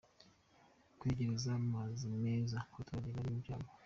Kwegereza amazi meza abaturage bari mu byaro.